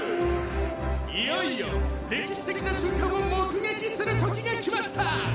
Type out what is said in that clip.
「いよいよ歴史的な瞬間を目撃する時が来ました！」